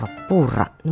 malah pake hati dodol